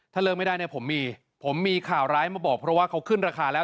ถ้าเลิกไม่ได้เนี่ยผมมีผมมีข่าวร้ายมาบอกเพราะว่าเขาขึ้นราคาแล้ว